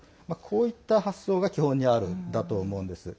こういった発想が基本にあるんだと思うんです。